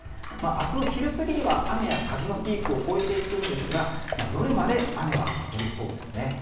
明日の昼過ぎには雨や風のピークを越えていくんですが夜まで雨は残りそうですね。